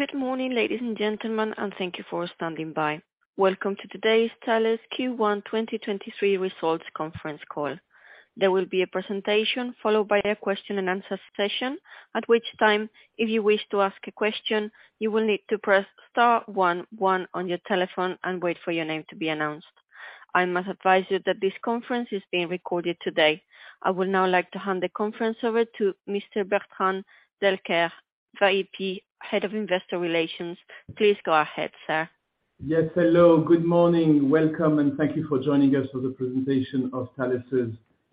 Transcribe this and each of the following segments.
Good morning, ladies and gentlemen, and thank you for standing by. Welcome to today's Thales Q1 2023 Results Conference Call. There will be a presentation followed by a question-and-answer session. At which time, if you wish to ask a question, you will need to press star one one on your telephone and wait for your name to be announced. I must advise you that this conference is being recorded today. I would now like to hand the conference over to Mr. Bertrand Delcaire, VP, Head of Investor Relations. Please go ahead, sir. Yes. Hello. Good morning. Welcome, and thank you for joining us for the presentation of Thales'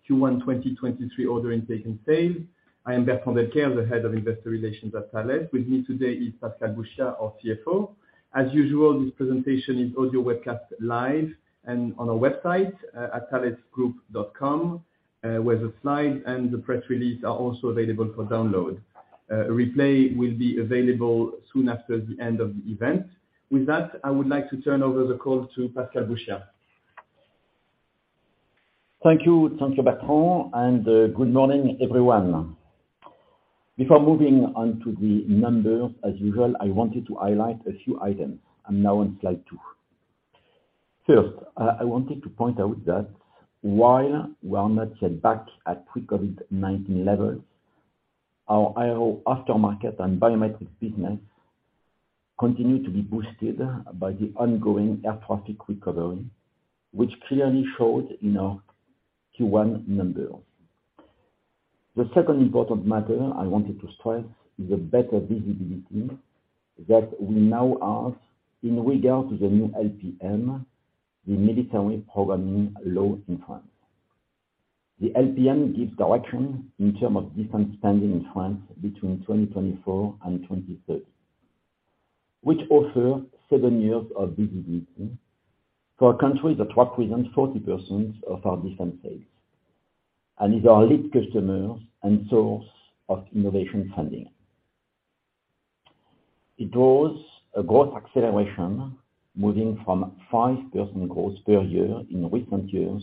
Q1 2023 order intake and sales. I am Bertrand Delcaire, the Head of Investor Relations at Thales. With me today is Pascal Bouchiat, our CFO. As usual, this presentation is audio webcast live and on our website at thalesgroup.com, where the slides and the press release are also available for download. A replay will be available soon after the end of the event. With that, I would like to turn over the call to Pascal Bouchiat. Thank you. Thank you, Bertrand, good morning, everyone. Before moving on to the numbers, as usual, I wanted to highlight a few items. I'm now on slide two. First, I wanted to point out that while we are not yet back at pre-COVID-19 levels, our Aero aftermarket and biometric business continue to be boosted by the ongoing air traffic recovery, which clearly showed in our Q1 numbers. The second important matter I wanted to stress is the better visibility that we now have in regard to the new LPM, the Military Programming Law in France. The LPM gives direction in term of defense spending in France between 2024 and 2030, which offer seven years of visibility for a country that represents 40% of our defense sales and is our lead customer and source of innovation funding. It draws a growth acceleration moving from 5% growth per year in recent years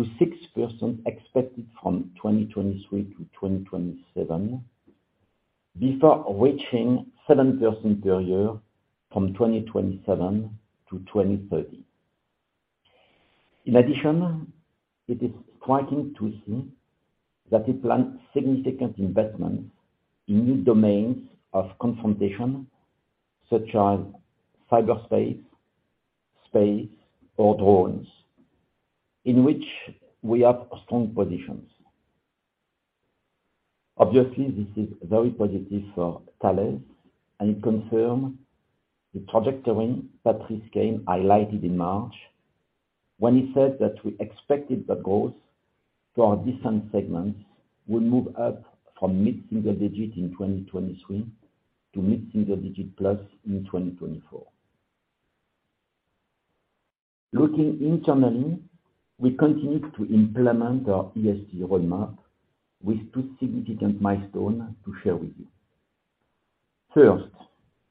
to 6% expected from 2023 to 2027, before reaching 7% per year from 2027 to 2030. It is striking to see that they planned significant investment in new domains of confrontation, such as cyberspace, space, or drones, in which we have strong positions. This is very positive for Thales, and it confirm the trajectory Patrice Caine highlighted in March when he said that we expected the growth to our Defense segments will move up from mid-single digit in 2023 to mid-single digit plus in 2024. Looking internally, we continue to implement our ESG roadmap with two significant milestone to share with you.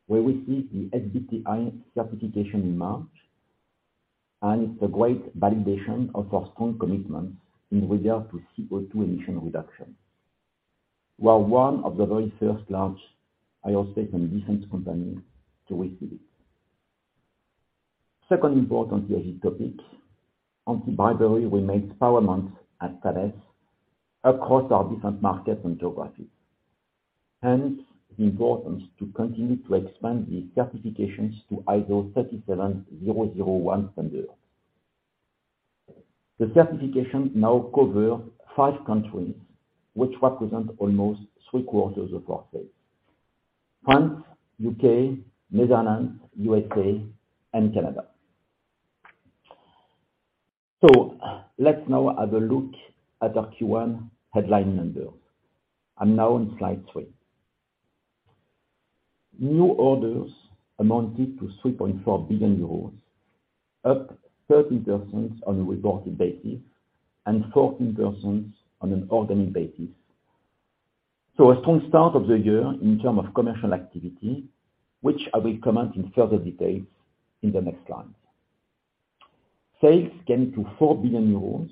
Where we see the SBTi certification in March, and it's a great validation of our strong commitment in regard to CO2 emission reduction. We're one of the very first large aerospace and defense company to receive it. Second important ESG topic, anti-bribery remains paramount at Thales across our different markets and geographies, hence the importance to continue to expand the certifications to ISO 37001 standard. The certification now cover five countries which represent almost three-quarters of our sales: France, U.K., Netherlands, USA, and Canada. Let's now have a look at our Q1 headline numbers. I'm now on slide three. New orders amounted to 3.4 billion euros, up 13% on a reported basis and 14% on an organic basis. A strong start of the year in term of commercial activity, which I will comment in further details in the next slide. Sales came to 4 billion euros,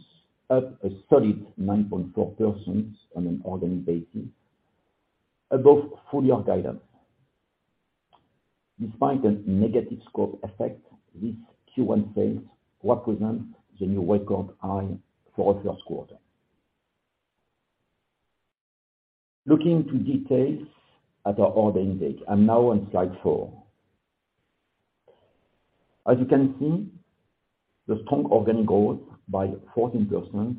up a solid 9.4% on an organic basis, above full-year guidance. Despite a negative scope effect, this Q1 sales represents the new record high for a first quarter. Looking to details at our order intake. I'm now on slide four. As you can see, the strong organic growth by 14%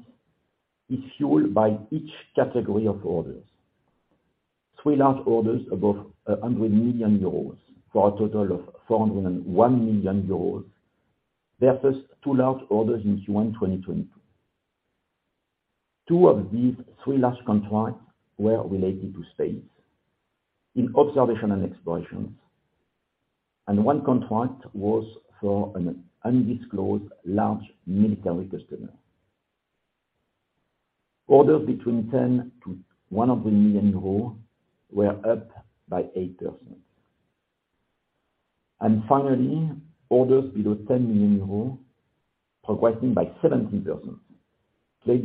is fueled by each category of orders. Three large orders above 100 million euros for a total of 401 million euros. They are first two large orders in Q1, 2020. Two of these three large contracts were related to space in observation and explorations, and one contract was for an undisclosed large military customer. Orders between 10 million-100 million euros were up by 8%. Finally, orders below 10 million euros progressing by 17%,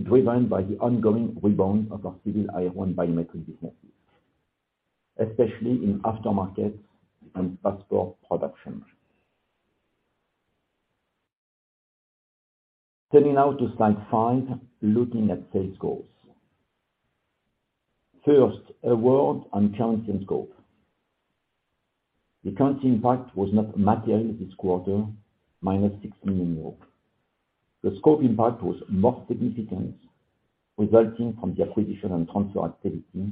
driven by the ongoing rebound of our Civil Aero and biometric businesses, especially in aftermarket and passport production. Turning now to slide five, looking at sales goals. First, award and currency in scope. The currency impact was not material this quarter, minus 6 million euros. The scope impact was most significant, resulting from the acquisition and transfer activity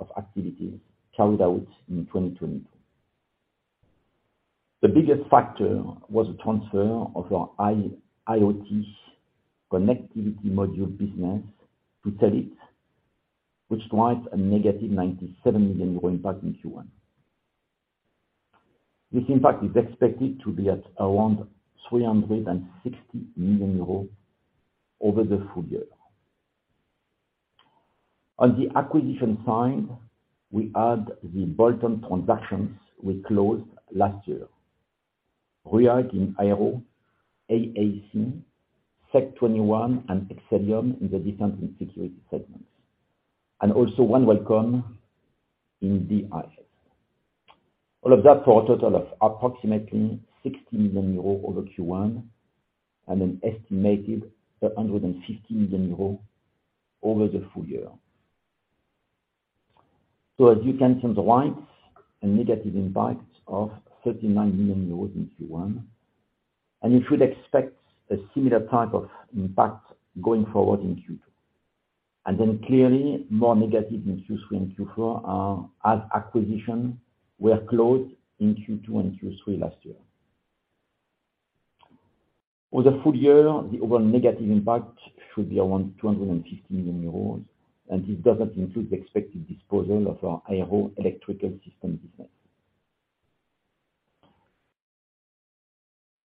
of activities carried out in 2022. The biggest factor was the transfer of our I-IoT connectivity module business to Telit, which drives a negative 97 million euro impact in Q1. This impact is expected to be at around 360 million euros over the full year. On the acquisition side, we add the [bolt-on] transactions we closed last year. RUAG in Aero, ACC, S21sec, and Excellium in the Defense & Security segments, and also OneWelcome in DIS. All of that for a total of approximately 60 million euros over Q1, and an estimated 150 million euros over the full year. As you can see on the right, a negative impact of 39 million euros in Q1. You should expect a similar type of impact going forward in Q2. Clearly more negative in Q3 and Q4 are as acquisitions were closed in Q2 and Q3 last year. For the full year, the overall negative impact should be around 250 million euros. This doesn't include the expected disposal of our Aero electrical system business.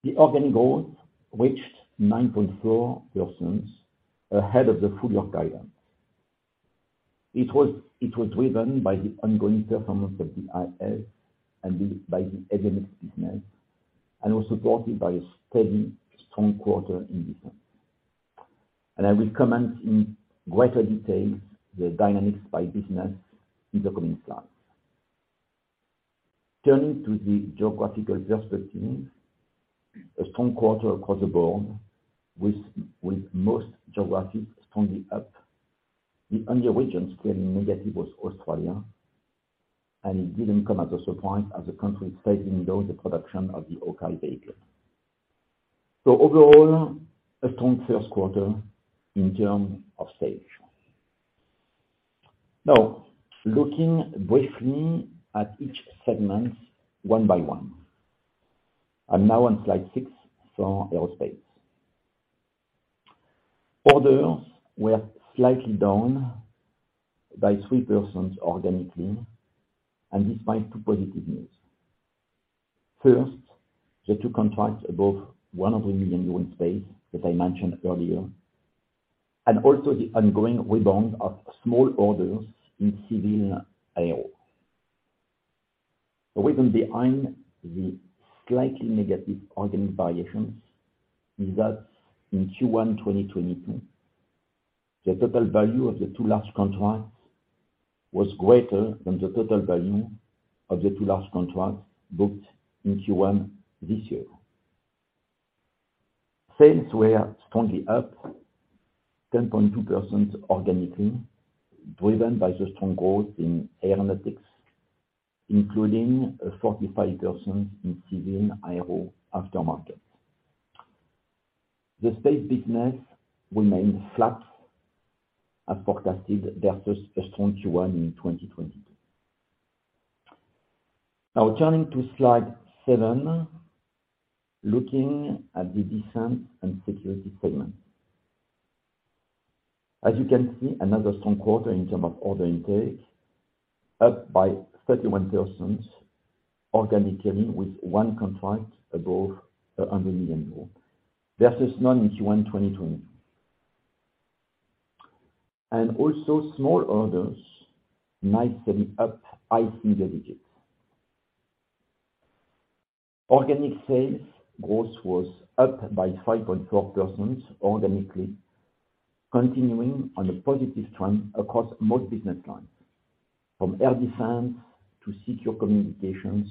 The organic growth reached 9.4% ahead of the full year guidance. It was driven by the ongoing performance of the IS and the, by the [ADM] business, and was supported by a steady strong quarter in Defense. I will comment in greater detail the dynamics by business in the coming slides. Turning to the geographical perspective, a strong quarter across the board with most geographies strongly up. The only region screening negative was Australia. It didn't come as a surprise as the country is phasing down the production of the Hawkei vehicle. Overall, a strong first quarter in terms of sales. Looking briefly at each segment one by one. I'm now on slide six for Aerospace. Orders were slightly down by 3% organically. Despite two positive news. First, the two contracts above 100 million euro space that I mentioned earlier. Also, the ongoing rebound of small orders in Civil Aero. The reason behind the slightly negative organic variations is that in Q1 2022, the total value of the two large contracts was greater than the total value of the two large contracts booked in Q1 this year. Sales were strongly up 10.2% organically, driven by the strong growth in aeronautics, including a 45% in Civil Aero aftermarket. The space business remained flat as forecasted versus a strong Q1 in 2022. Turning to slide seven, looking at the Defense & Security segment. As you can see, another strong quarter in terms of order intake, up by 31% organically with one contract above 100 million euros versus none in Q1 2020. Also small orders nicely up high single digits. Organic sales growth was up by 5.4% organically, continuing on a positive trend across most business lines, from air defense to secure communications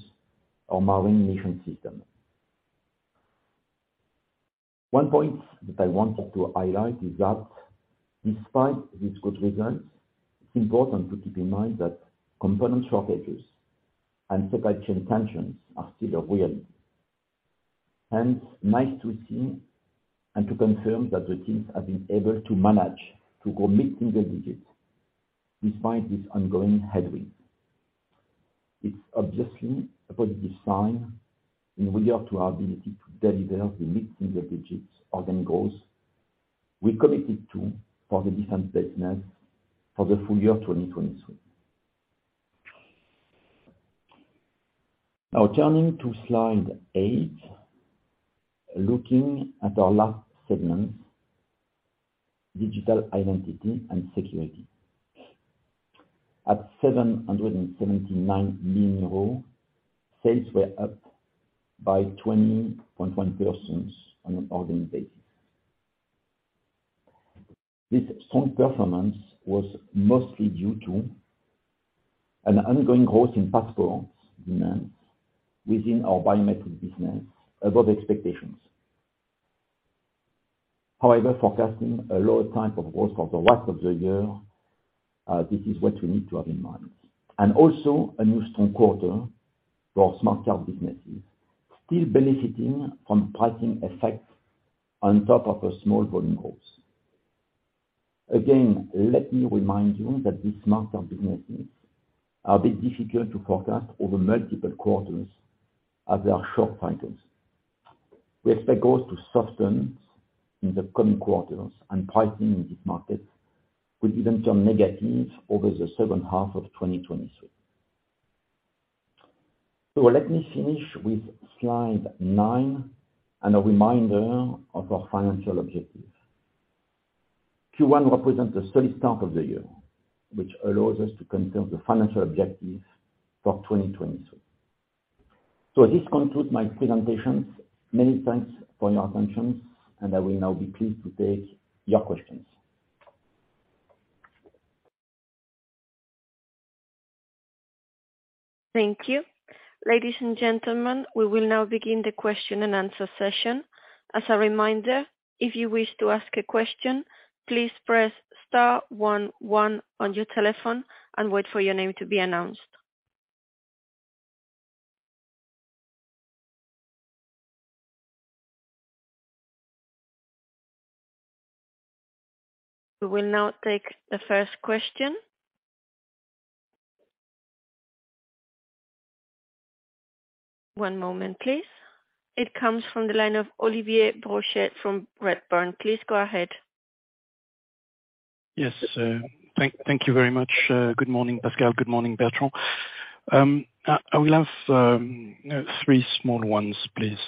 or marine mission system. One point that I wanted to highlight is that despite these good results, it's important to keep in mind that component shortages and supply chain tensions are still real. Nice to see and to confirm that the teams have been able to manage to grow mid-single digits despite this ongoing headwind. It's obviously a positive sign in regard to our ability to deliver the mid-single digits organic growth we committed to for the Defense business for the full year 2023. Turning to slide eight, looking at our last segment, Digital Identity & Security. At 779 million euros, sales were up by 20.1% on an organic basis. This strong performance was mostly due to an ongoing growth in passport demands within our biometric business above expectations. Forecasting a lower type of growth for the rest of the year, this is what we need to have in mind. Also a new strong quarter for smart card businesses, still benefiting from pricing effects on top of a small volume growth. Let me remind you that these smart card businesses are a bit difficult to forecast over multiple quarters as they are short cycles. We expect growth to soften in the coming quarters and pricing in this market will even turn negative over the second half of 2023. Let me finish with slide nine and a reminder of our financial objectives. Q1 represents a steady start of the year, which allows us to confirm the financial objectives for 2023. This concludes my presentation. Many thanks for your attention, and I will now be pleased to take your questions. Thank you. Ladies and gentlemen, we will now begin the question-and-answer session. As a reminder, if you wish to ask a question, please press star one one on your telephone and wait for your name to be announced. We will now take the first question. One moment, please. It comes from the line of Olivier Brochet from Redburn. Please go ahead. Yes. Thank you very much. Good morning, Pascal. Good morning, Bertrand. I will have three small ones, please.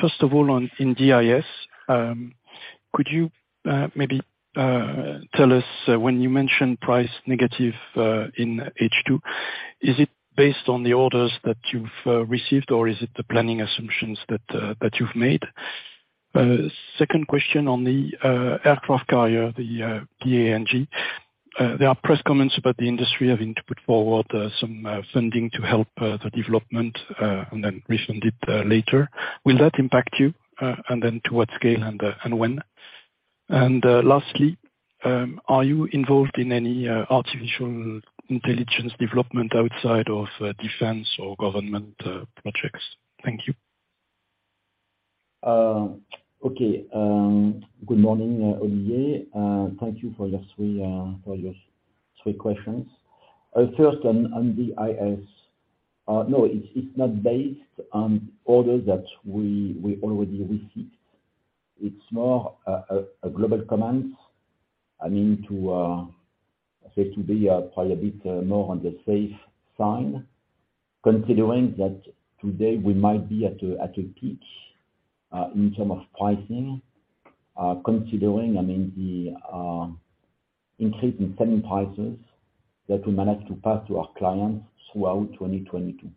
First of all, on, in DIS, could you maybe tell us, when you mention price negative in H2, is it based on the orders that you've received, or is it the planning assumptions that you've made? Second question on the aircraft carrier, the PA-NG. There are press comments about the industry having to put forward some funding to help the development and then refund it later. Will that impact you? Then to what scale and when? Lastly, are you involved in any artificial intelligence development outside of defense or government projects? Thank you. Good morning, Olivier. Thank you for your three, for your three questions. First on DIS. No, it's not based on orders that we already received. It's more a global comment. I mean to say today, probably a bit more on the safe side, considering that today we might be at a peak in term of pricing. Considering, I mean, the increase in selling prices that we managed to pass to our clients throughout 2022.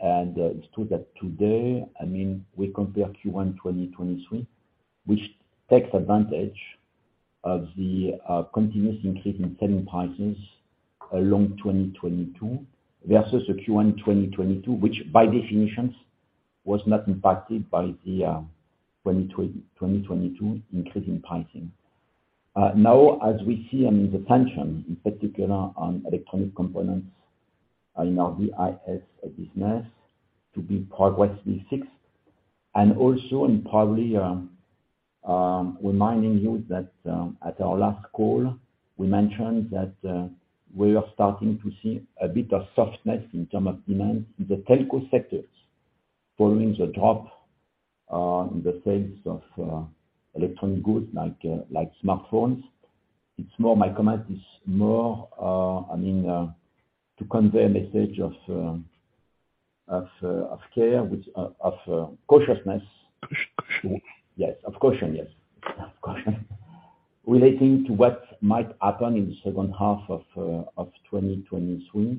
It's true that today, I mean, we compare Q1 2023, which takes advantage of the continuous increase in selling prices along 2022, versus the Q1 2022, which by definitions was not impacted by the 2022 increase in pricing. Now as we see, I mean, the tension in particular on electronic components in our DIS business to be progressively fixed. Also, and probably, reminding you that, at our last call, we mentioned that, we are starting to see a bit of softness in term of demand in the telco sectors, following the drop, in the sales of, electronic goods like smartphones. It's more my comment is more, I mean, to convey a message of, of care, of cautiousness. Caution. Yes. Of caution. Yes. Of caution. Relating to what might happen in the second half of 2023,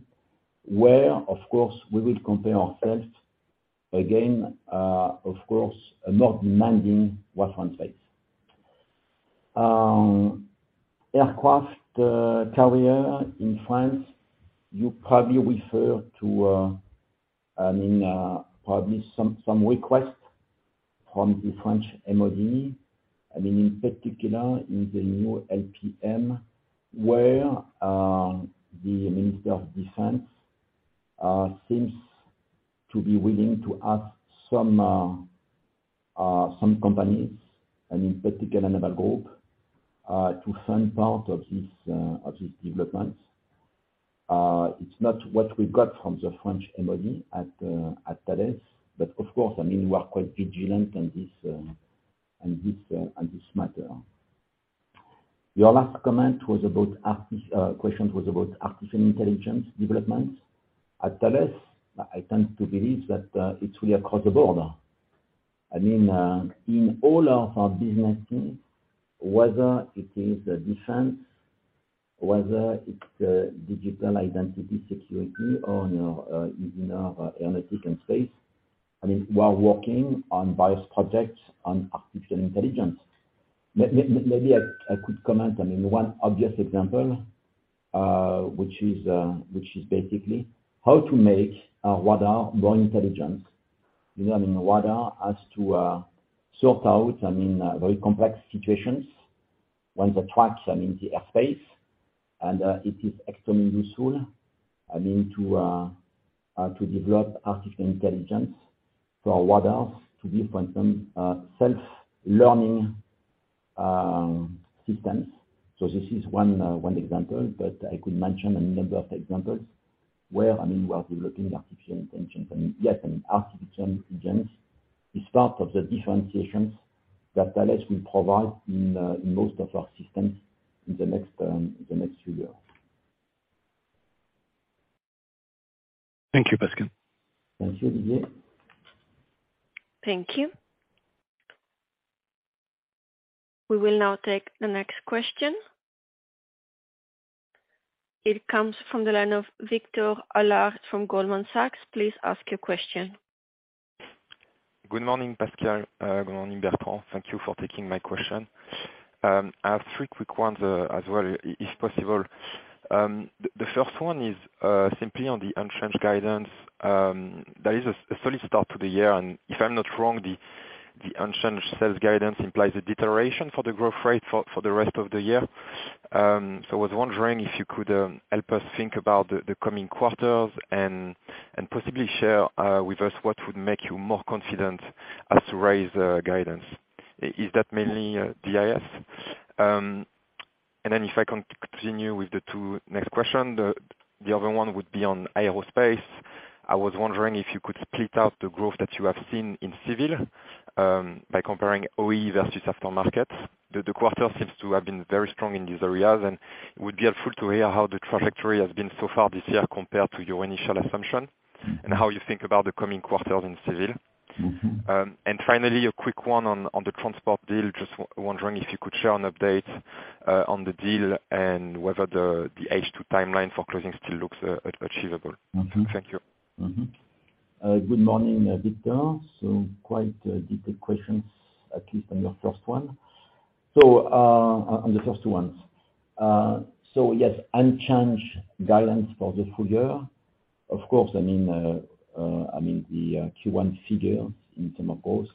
where of course we will compare ourselves again, of course a lot demanding weather insights. Aircraft carrier in France, you probably refer to, I mean, probably some request from the French MoD. I mean, in particular in the new LPM, where the Minister of Defense seems to be willing to ask some companies, I mean, in particular Naval Group, to fund part of this development. It's not what we got from the French MoD at Thales, but of course, I mean, we are quite vigilant in this matter. Your last comment was about question was about artificial intelligence developments. At Thales, I tend to believe that, it's really across the board. I mean, in all our business team, whether it is the Defense, whether it's the Digital Identity Security or, you know, in our analytic and space, I mean, we are working on various projects on artificial intelligence. Maybe, a quick comment. I mean, one obvious example, which is basically how to make our water more intelligent. You know, I mean, water has to sort out, I mean, very complex situations when the tracks are in the airspace, and it is extremely useful, I mean, to develop artificial intelligence for waters to be able to self-learning systems. So this is one example, but I could mention a number of examples where, I mean, we are developing artificial intelligence. I mean, yes, I mean, artificial intelligence is part of the differentiations that Thales will provide in in most of our systems in the next in the next few years. Thank you, Pascal. Thank you, Olivier. Thank you. We will now take the next question. It comes from the line of Victor Allard from Goldman Sachs. Please ask your question. Good morning, Pascal. Good morning, Bertrand. Thank you for taking my question. I have three quick ones as well, if possible. The first one is simply on the unchanged guidance. There is a fully start to the year, and if I'm not wrong, the unchanged sales guidance implies a deterioration for the growth rate for the rest of the year. I was wondering if you could help us think about the coming quarters and possibly share with us what would make you more confident as to raise the guidance. Is that mainly DIS? If I can continue with the two next question, the other one would be on Aerospace. I was wondering if you could split out the growth that you have seen in civil, by comparing OE versus after markets? The quarter seems to have been very strong in these areas, and it would be helpful to hear how the trajectory has been so far this year compared to your initial assumption. Mm-hmm. How you think about the coming quarters in civil. Mm-hmm. Finally, a quick one on the transport deal, just wondering if you could share an update on the deal and whether the H2 timeline for closing still looks achievable? Mm-hmm. Thank you. Good morning, Victor. Quite detailed questions, at least on your first one. On the first two ones. Yes, unchanged guidance for the full year. Of course, I mean, I mean, the Q1 figure in terms of growth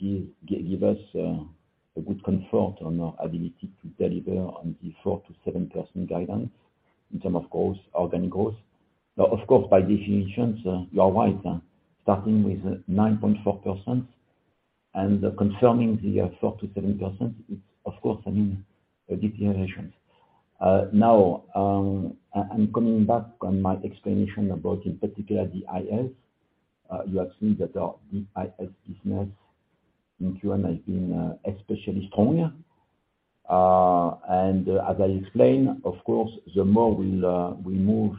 give us a good comfort on our ability to deliver on the 4%-7% guidance in terms of growth, organic growth. Of course, by definition, you are right, starting with 9.4% and confirming the 4%-7%, it's of course, I mean, a deterioration. And coming back on my explanation about, in particular, the DIS, you have seen that our DIS business in Q1 has been especially stronger. As I explained, of course, the more we'll move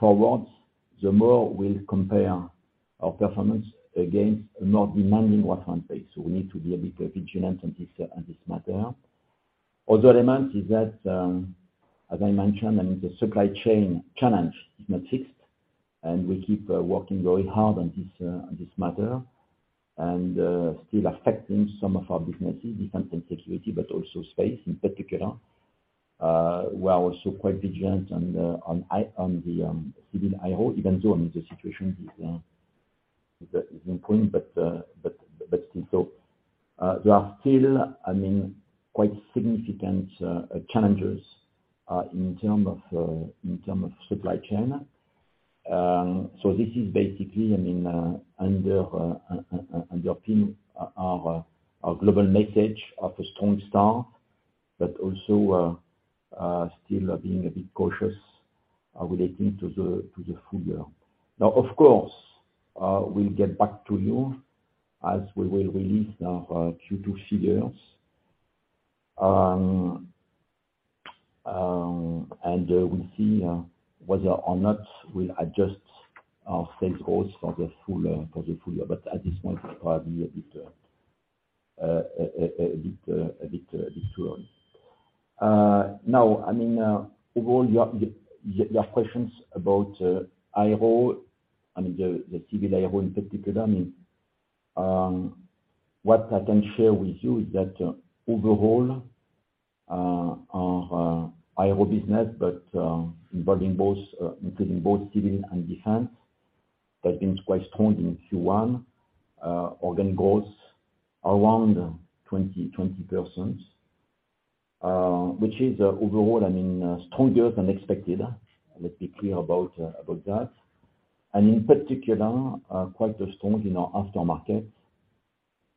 forwards, the more we'll compare our performance against a not demanding weather base. We need to be a bit vigilant on this, on this matter. Other element is that, as I mentioned, I mean, the supply chain challenge is not fixed, and we keep working very hard on this matter. Still affecting some of our businesses, different intensity, but also space in particular. We are also quite vigilant on the Civil Aero even though, I mean, the situation is improving, but still. There are still, I mean, quite significant challenges in terms of, in terms of supply chain. This is basically, I mean, our global message of a strong start, but also still being a bit cautious relating to the full year. Of course, we'll get back to you as we will release our Q2 figures. We'll see whether or not we'll adjust our sales goals for the full for the full year. At this point, it's probably a bit too early. I mean, overall your questions about Aero, the Civil Aero in particular, what I can share with you is that overall, our Aero business, but involving both, including both civil and Defense, has been quite strong in Q1. Organic growth around 20%, which is overall, I mean, stronger than expected. Let's be clear about that. In particular, quite strong in our aftermarket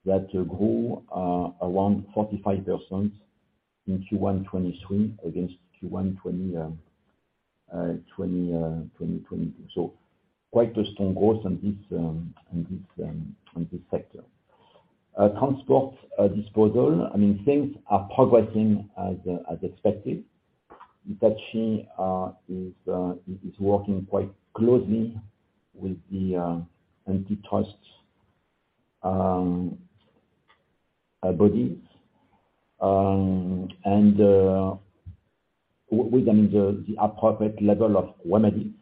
that grew around 45% in Q1 2023 against Q1 2020. Quite a strong growth on this, on this sector. Transport, disposal. Things are progressing as expected. Hitachi is working quite closely with the antitrust bodies. With, I mean, the appropriate level of remedy.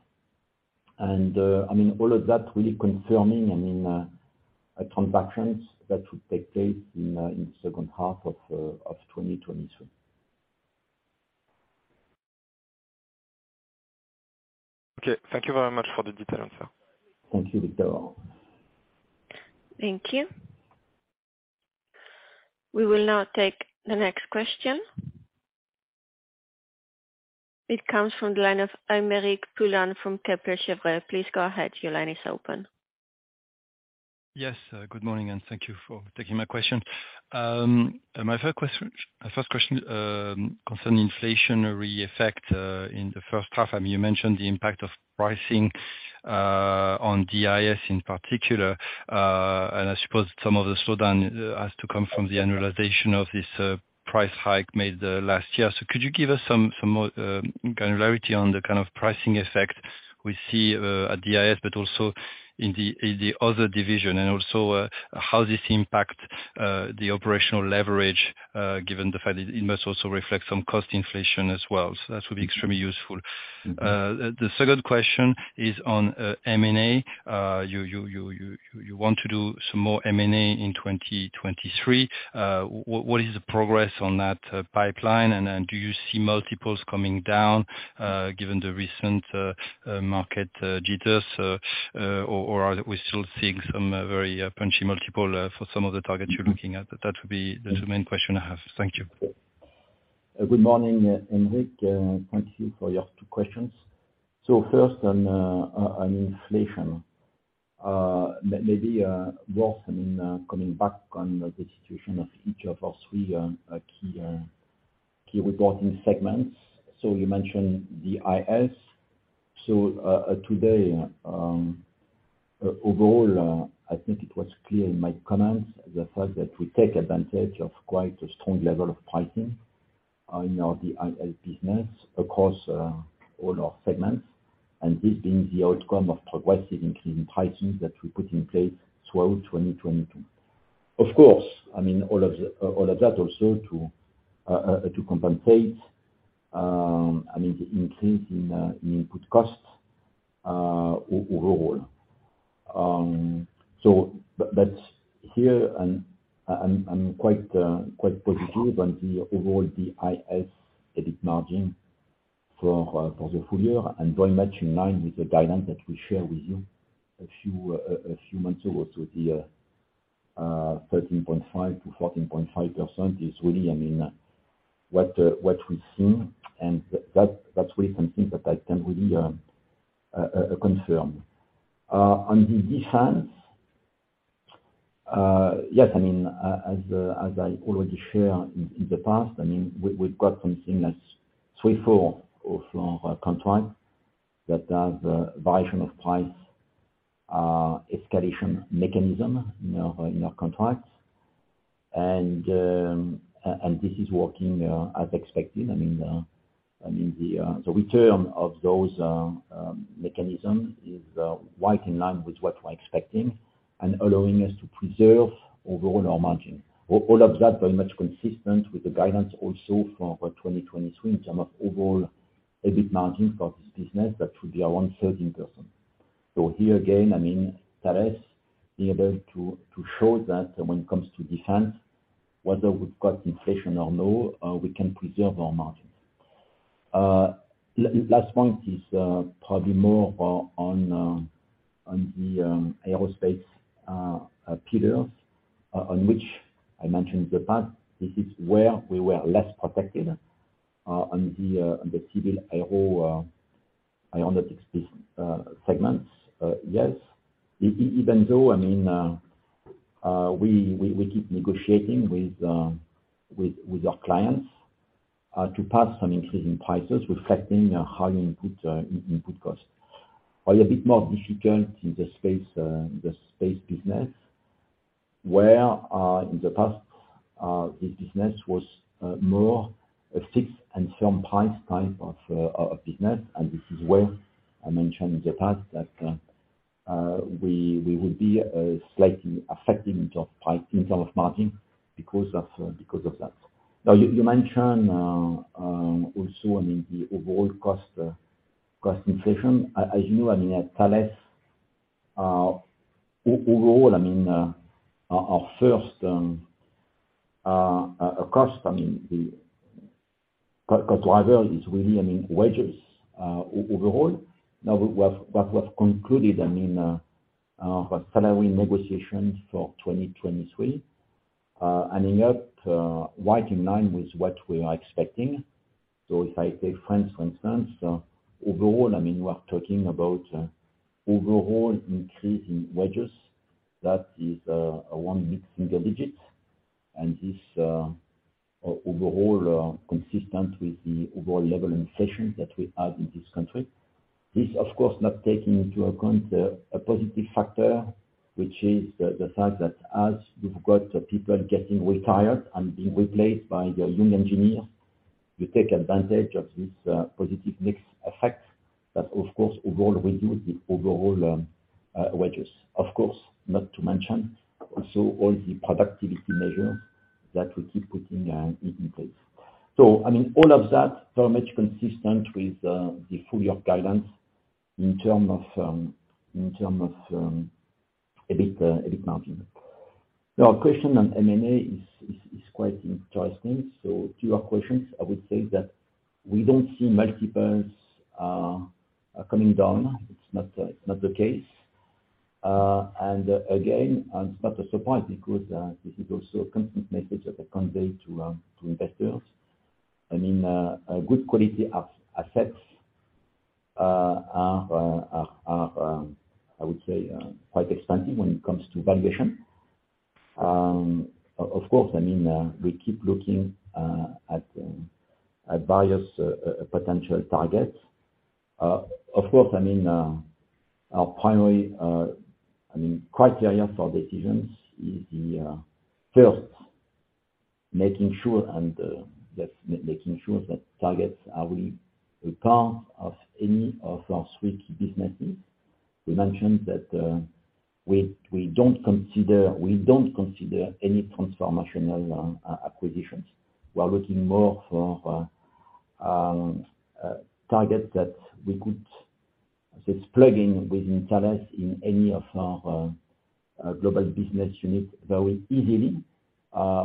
All of that really confirming, I mean, a transactions that will take place in the second half of 2022. Okay. Thank you very much for the detail, sir. Thank you, Victor. Thank you. We will now take the next question. It comes from the line of Aymeric Poulain from Kepler Cheuvreux. Please go ahead. Your line is open. Yes. Good morning, and thank you for taking my question. My first question concerns inflationary effect in the first half. I mean, you mentioned the impact of pricing on DIS in particular. I suppose some of the slowdown has to come from the annualization of this price hike made last year. Could you give us some more granularity on the kind of pricing effect we see at DIS, but also in the other division? Also, how this impact the operational leverage, given the fact that it must also reflect some cost inflation as well. That would be extremely useful. The second question is on M&A. You want to do some more M&A in 2023. What is the progress on that pipeline? Do you see multiples coming down given the recent market jitters or are we still seeing some very punchy multiple for some of the targets you're looking at? That would be the two main question I have. Thank you. Good morning, Aymeric, thank you for your two questions. First on inflation. Maybe both. I mean, coming back on the institution of each of our three key reporting segments. You mentioned DIS. Today, overall, I think it was clear in my comments the fact that we take advantage of quite a strong level of pricing in our DIS business across all our segments, and this being the outcome of progressive increase in pricing that we put in place throughout 2022. Of course, I mean, all of the, all of that also to compensate, I mean, the increase in input costs overall. But here I'm quite positive on the overall DIS EBIT margin for the full year and very much in line with the guidance that we share with you a few months ago. The 13.5%-14.5% is really, I mean, what we've seen and that's really something that I can really confirm. On the Defense, yes, I mean, as I already shared in the past, I mean, we've got something that's three-four of our contracts that have variation of price escalation mechanism in our contracts. This is working as expected. I mean, the return of those mechanism is right in line with what we're expecting and allowing us to preserve overall our margin. All of that very much consistent with the guidance also for 2023 in terms of overall EBIT margin for this business, that should be around 13%. Here again, I mean, Thales be able to show that when it comes to Defense, whether we've got inflation or no, we can preserve our margins. Last point is probably more on the Aerospace pillars on which I mentioned in the past, this is where we were less protected on the Civil Aero avionics segments. Yes, even though, I mean, we keep negotiating with our clients to pass on increasing prices reflecting how input costs are a bit more difficult in the space business, where in the past this business was more a fixed and firm price type of business. This is where I mentioned in the past that we will be slightly affected in terms of margin because of that. Now, you mentioned, I mean, also the overall cost inflation. As you, I mean, at Thales, overall, I mean, our first cost, I mean, the cost driver is really, I mean, wages overall. Now, what was concluded, I mean, our salary negotiations for 2023, ending up right in line with what we are expecting. If I take France, for instance, overall, I mean, we are talking about overall increase in wages that is one mid-single digit. This overall consistent with the overall level inflation that we have in this country. This, of course, not taking into account the positive factor, which is the fact that as you've got people getting retired and being replaced by the young engineer, you take advantage of this positive mix effect that of course overall reduce the overall wages. Of course, not to mention also all the productivity measures that we keep putting in place. I mean, all of that very much consistent with the full year guidance in term of EBIT margin. Now, question on M&A is quite interesting. To your questions, I would say that we don't see multiples coming down. It's not the case. Again, it's not a surprise because this is also a constant message that I convey to investors. I mean, a good quality assets are, I would say, quite expensive when it comes to valuation. Of course, I mean, we keep looking at various potential targets. Of course, I mean, our primary, I mean, criteria for decisions is the first making sure and that's making sure that targets are really part of any of our suite businesses. We mentioned that we don't consider, we don't consider any transformational acquisitions. We are looking more for a target that we could just plug in within Thales in any of our global business unit very easily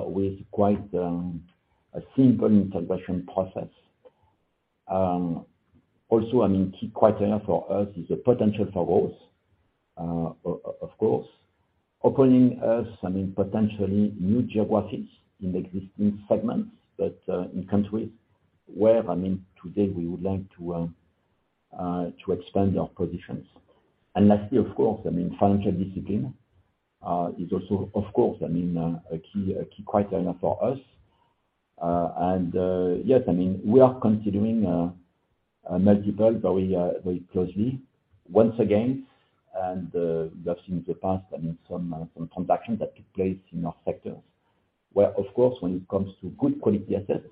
with quite a simple integration process. Also, I mean, key criteria for us is the potential for growth, of course, opening us, I mean, potentially new geographies in existing segments, but in countries where, I mean, today we would like to expand our positions. Lastly, of course, I mean, financial discipline, is also of course, I mean, a key criteria for us. Yes, I mean, we are considering a multiple very closely once again. We have seen in the past, I mean, some transactions that took place in our sectors, where of course when it comes to good quality assets,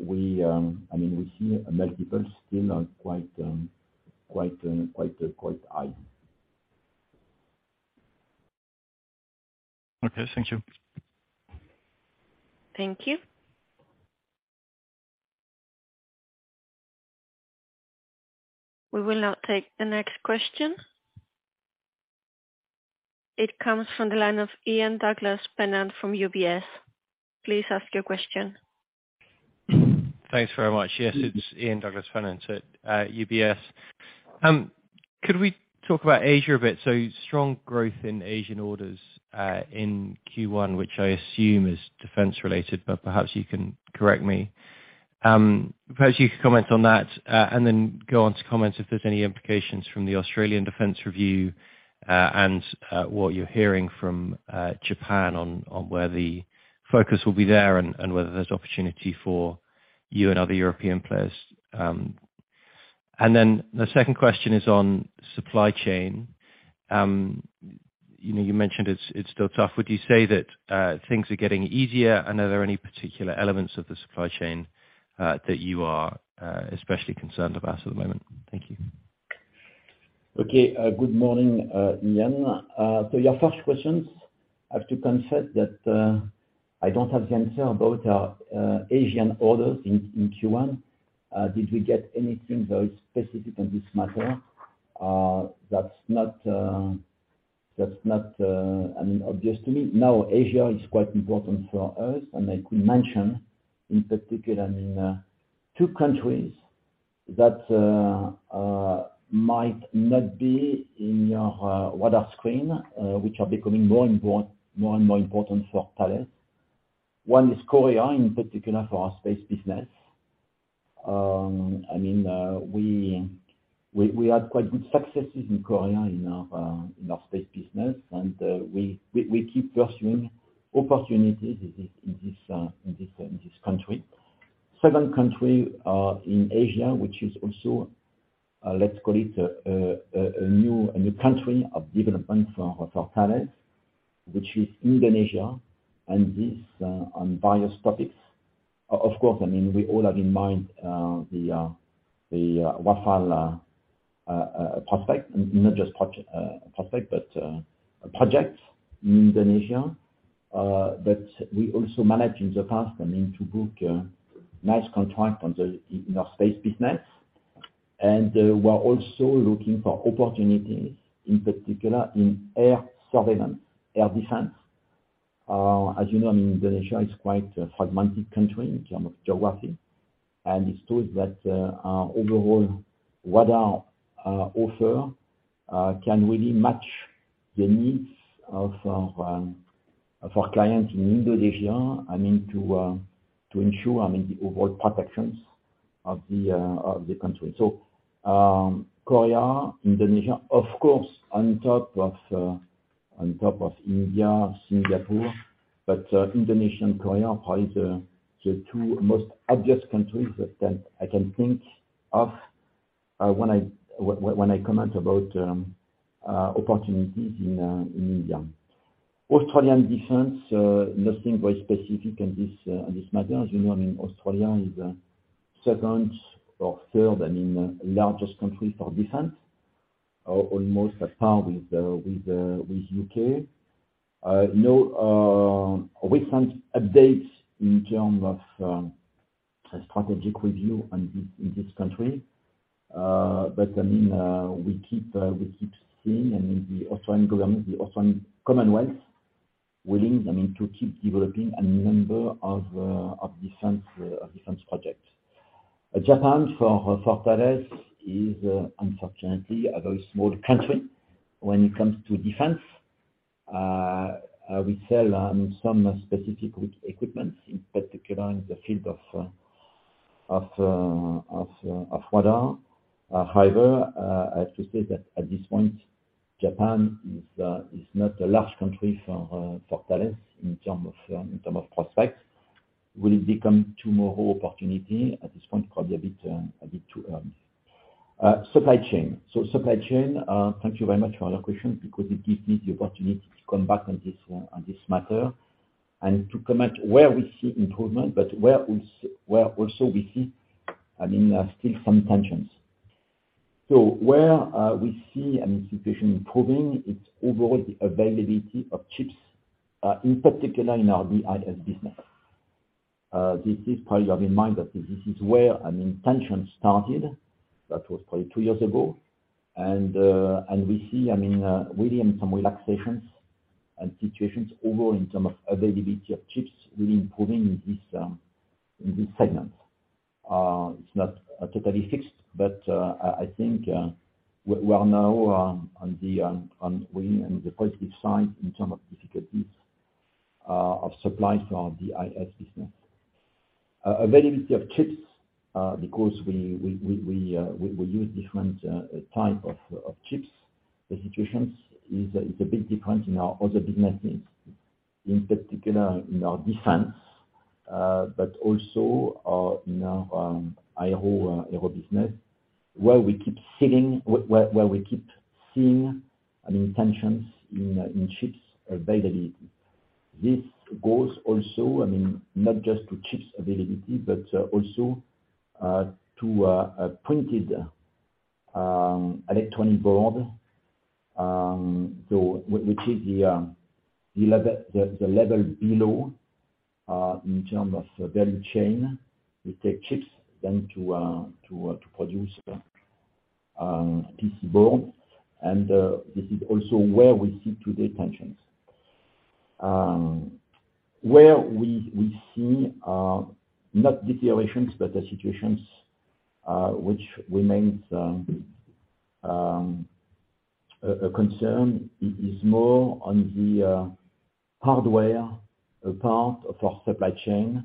we, I mean, we see multiples still are quite high. Okay, thank you. Thank you. We will now take the next question. It comes from the line of Ian Douglas-Pennant from UBS. Please ask your question. Thanks very much. Yes, it's Ian Douglas-Pennant at UBS. Could we talk about Asia a bit? Strong growth in Asian orders in Q1, which I assume is Defense related, but perhaps you can correct me. Perhaps you could comment on that, and then go on to comment if there's any implications from the Australian Defense Review, and what you're hearing from Japan on where the focus will be there and whether there's opportunity for you and other European players. And then the second question is on supply chain. you know, you mentioned it's still tough. Would you say that things are getting easier? Are there any particular elements of the supply chain that you are especially concerned about at the moment? Thank you. Okay. Good morning, Ian. Your first questions, I have to confess that I don't have the answer about our Asian orders in Q1. Did we get anything very specific on this matter? That's not, I mean, obvious to me. Asia is quite important for us, and I could mention in particular, I mean, 2 countries that might not be in your radar screen, which are becoming more and more important for Thales. One is Korea, in particular for our space business. I mean, we had quite good successes in Korea in our space business. We keep pursuing opportunities in this country. Second country in Asia, which is also, let's call it a new country of development for Thales, which is Indonesia, and this on various topics. Of course, I mean, we all have in mind the Rafale prospect. Not just prospect, but a project in Indonesia. We also managed in the past, I mean, to book a nice contract on the in our space business. We're also looking for opportunities, in particular in air surveillance, air defense. As you know, I mean, Indonesia is quite a fragmented country in term of geography. It's true that our overall radar offer can really match the needs of our clients in Indonesia. I mean, to ensure, I mean the overall protections. Of the country. Korea, Indonesia, of course, on top of India, Singapore. Indonesia and Korea are probably the two most obvious countries that I can think of when I comment about opportunities in India. Australian defense, nothing very specific on this matter. As you know, I mean, Australia is second or third, I mean, largest country for defense, almost at par with U.K. No recent updates in terms of a strategic review on this, in this country. I mean, we keep seeing, I mean, the Australian government, the Australian Commonwealth willing, I mean, to keep developing a number of Defense projects. Japan for Thales is unfortunately a very small country when it comes to Defense. We sell some specific equipment, in particular in the field of radar. I have to say that at this point, Japan is not a large country for Thales in term of prospects. Will it become tomorrow opportunity? At this point, probably a bit too early. Supply chain. Supply chain, thank you very much for your question, because it gives me the opportunity to come back on this one, on this matter, and to comment where we see improvement, but where also we see, I mean, still some tensions. Where we see a situation improving, it's overall the availability of chips, in particular in our DIS business. This is probably bear in mind that this is where an intention started. That was probably two years ago. We see, I mean, really some relaxations and situations overall in terms of availability of chips really improving in this segment. It's not totally fixed, I think we are now on the on really on the positive side in term of difficulties of supply for our DIS business. Availability of chips, because we use different type of chips, the situations is a big difference in our other businesses, in particular in our Defense, but also in our Aero business, where we keep seeing, I mean, tensions in chips availability. This goes also, I mean, not just to chips availability, but also to printed electronic board. Which is the level below in terms of value chain. We take chips then to produce PCB. This is also where we see today tensions. Where we see not deteriorations, but the situations which remains a concern is more on the hardware part of our supply chain,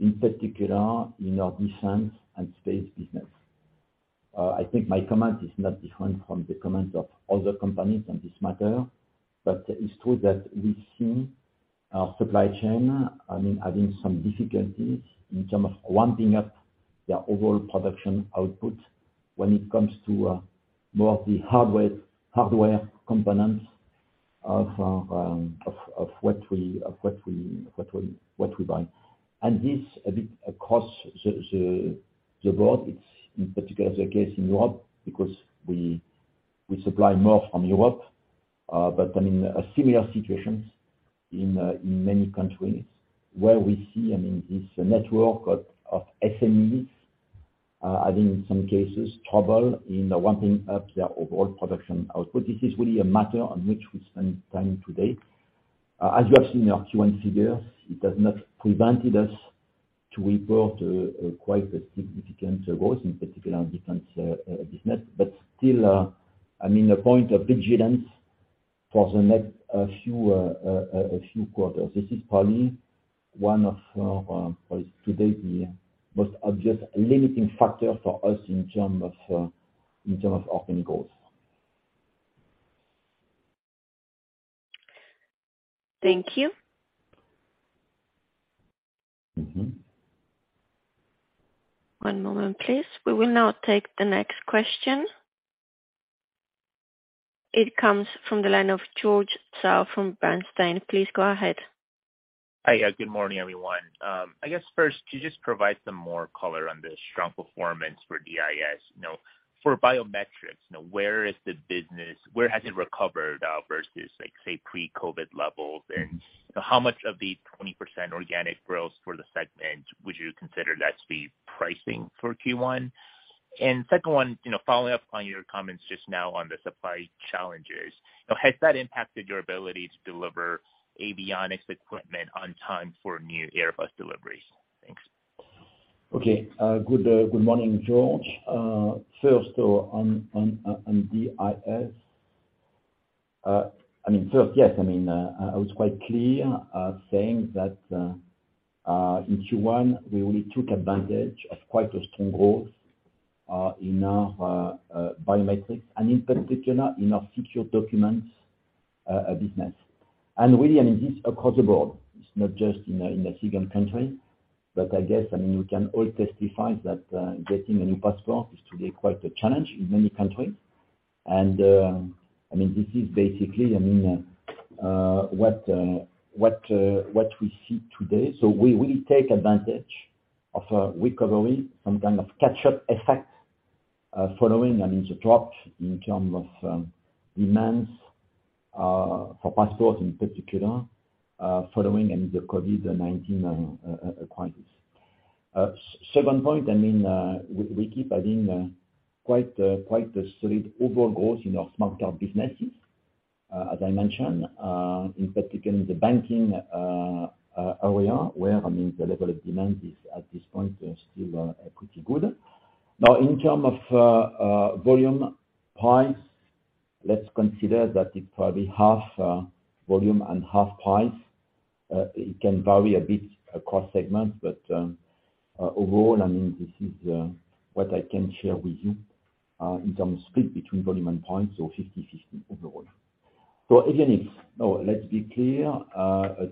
in particular in our Defense and Space business. I think my comment is not different from the comment of other companies on this matter, but it's true that we've seen our supply chain, I mean, having some difficulties in terms of ramping up their overall production output when it comes to more of the hardware components of what we buy. This a bit across the board. It's in particular the case in Europe because we supply more from Europe. I mean, a similar situations in many countries where we see, I mean, it's a network of SMEs having some cases trouble in ramping up their overall production output. This is really a matter on which we spend time today. As you have seen in our Q1 figures, it has not prevented us to report a quite a significant growth in particular on Defense business. Still, I mean, a point of vigilance for the next few quarters. This is probably one of probably to date the most obvious limiting factor for us in term of our goals. Thank you. Mm-hmm. One moment, please. We will now take the next question. It comes from the line of George Zhao from Bernstein. Please go ahead. Hi. Good morning, everyone. I guess first, could you just provide some more color on the strong performance for DIS? You know, for biometrics, you know, where is the business? Where has it recovered, versus like, say, pre-COVID levels? Mm-hmm. You know, how much of the 20% organic growth for the segment would you consider that to be pricing for Q1? Second one, you know, following up on your comments just now on the supply challenges, you know, has that impacted your ability to deliver avionics equipment on time for new Airbus deliveries? Thanks. Okay. Good morning, George. First on DIS, I mean, first, yes, I mean, I was quite clear saying that in Q1 we really took advantage of quite a strong growth in our biometrics and in particular in our secure documents business. Really, I mean, this across the board, it's not just in a single country, but I guess, I mean, we can all testify that getting a new passport is today quite a challenge in many country. I mean, this is basically, I mean, what we see today. We take advantage of a recovery from kind of catch-up effect, following, I mean, the drop in terms of demands for passports in particular, following, I mean, the COVID-19 crisis. Second point, I mean, we keep adding quite a solid overall growth in our smart card businesses. As I mentioned, in particular in the banking area where, I mean, the level of demand is at this point is still pretty good. Now, in terms of volume price, let's consider that it probably half volume and half price. It can vary a bit across segments, but overall, I mean, this is what I can share with you in terms of split between volume and price, so 50-50 overall. Again, if... Let's be clear,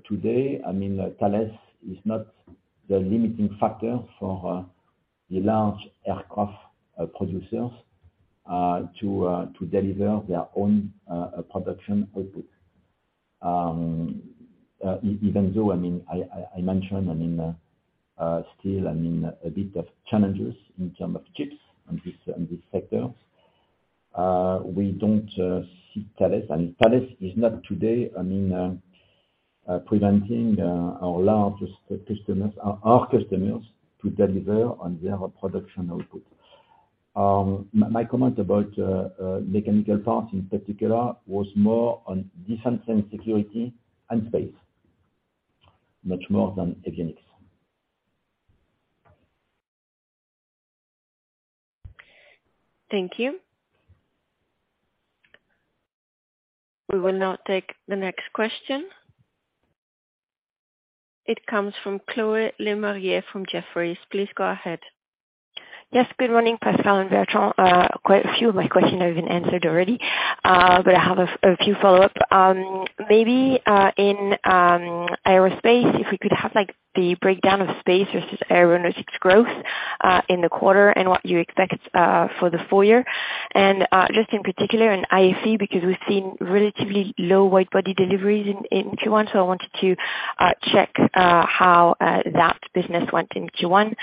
today, I mean, Thales is not the limiting factor for the large aircraft producers to deliver their own production output. Even though, I mean, I mentioned, I mean, still, I mean, a bit of challenges in term of chips in this sector. We don't see Thales, I mean, Thales is not today, I mean, preventing our largest customers, our customers to deliver on their production output. My comment about mechanical parts in particular was more on Defense & Security and space much more than avionics. Thank you. We will now take the next question. It comes from Chloé Lemarié from Jefferies. Please go ahead. Yes, good morning, Pascal and Bertrand. Quite a few of my questions have been answered already, but I have a few follow-up. Maybe in Aerospace, if we could have, like, the breakdown of space versus aeronautics growth in the quarter and what you expect for the full year. Just in particular in IFE, because we've seen relatively low wide-body deliveries in Q1, so I wanted to check how that business went in Q1.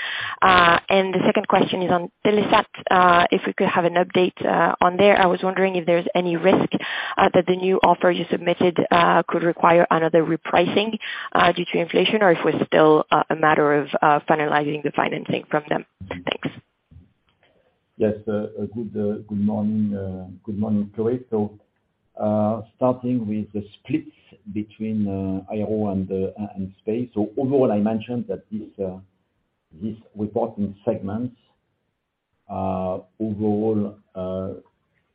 The second question is on Telesat. If we could have an update on there. I was wondering if there's any risk that the new offer you submitted could require another repricing due to inflation or if we're still a matter of finalizing the financing from them. Thanks. Yes, good morning. Good morning, Chloé. Starting with the splits between Aero and Space. Overall, I mentioned that this reporting segments overall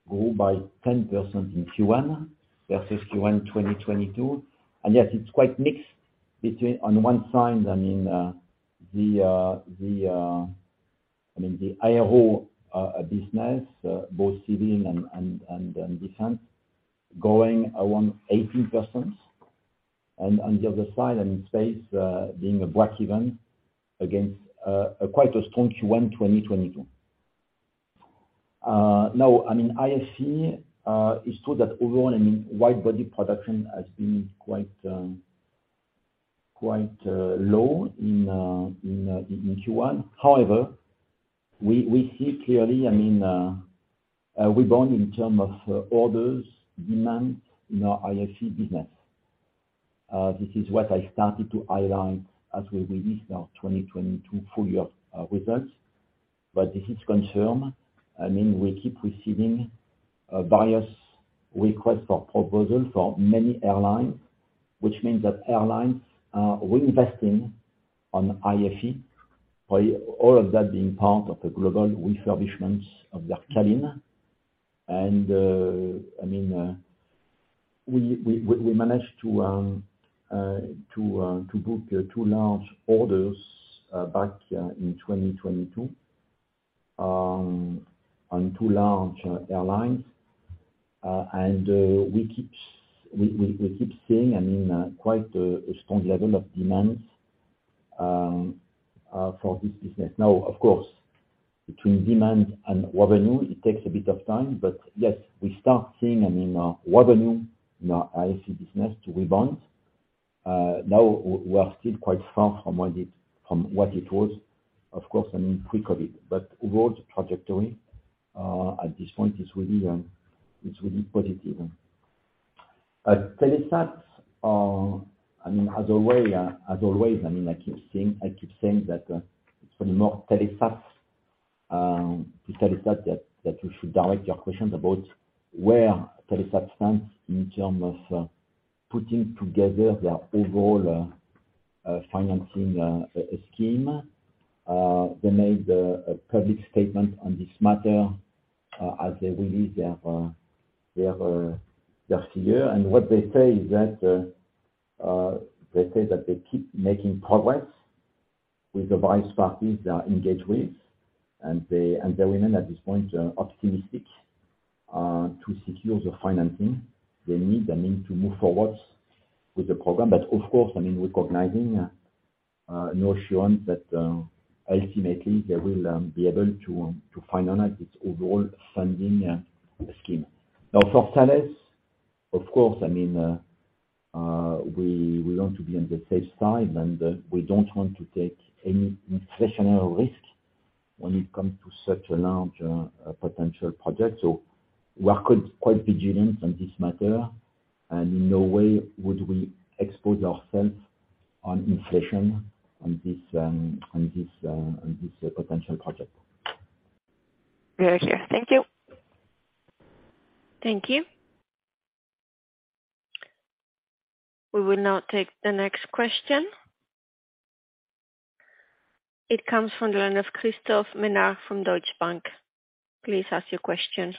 grew by 10% in Q1 versus Q1 2022. Yes, it's quite mixed between on one side, the Aero business, both civilian and Defense growing around 18%. On the other side and in space, being a breakeven against quite a strong Q1 2022. Now, IFE, it's true that overall, wide-body production has been quite low in Q1. However, we see clearly a rebound in term of orders, demands in our IFE business. This is what I started to highlight as we released our 2022 full year results. This is confirmed, I mean, we keep receiving various requests for proposal for many airlines, which means that airlines are reinvesting on IFE, by all of that being part of a global refurbishments of their cabin. I mean, we managed to book 2 large orders back in 2022 on 2 large airlines. We keep seeing, I mean, quite a strong level of demands for this business. Of course, between demand and revenue, it takes a bit of time, but yes, we start seeing, I mean, revenue in our IFE business to rebound. Now, we're still quite far from what it was, of course, I mean, pre-COVID. Overall the trajectory at this point is really, is really positive. Telesat, I mean, as always, I mean, I keep saying that it's probably more Telesat to Telesat that you should direct your questions about where Telesat stands in term of putting together their overall financing a scheme. They made a public statement on this matter as they release their their their CO. What they say is that they say that they keep making progress with the various parties they are engaged with. They remain at this point optimistic to secure the financing they need. They need to move forward with the program. Of course, I mean, recognizing, no assurance that ultimately they will be able to finance its overall funding scheme. For Thales, of course, I mean, we want to be on the safe side, and we don't want to take any inflationary risk when it comes to such a large potential project. We are quite vigilant on this matter, and in no way would we expose ourselves on inflation on this potential project. Very clear. Thank you. Thank you. We will now take the next question. It comes from the line of Christophe Menard from Deutsche Bank. Please ask your question.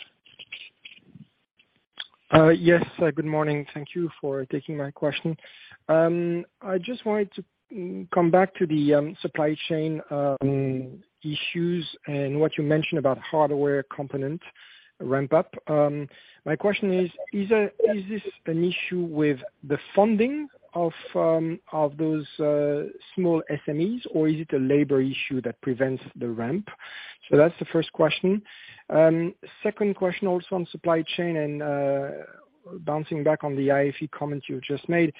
Yes. Good morning. Thank you for taking my question. I just wanted to come back to the supply chain issues and what you mentioned about hardware component ramp up. My question is this an issue with the funding of those small SMEs? Or is it a labor issue that prevents the ramp? That's the first question. Second question also on supply chain and bouncing back on the IFE comments you just made.